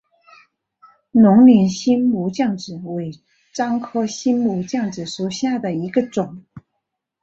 龙陵新木姜子为樟科新木姜子属下的一个种。